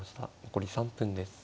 残り３分です。